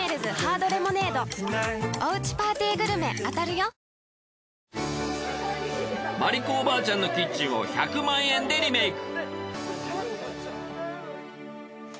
萬里子おばあちゃんのキッチンを１００万円でリメイク。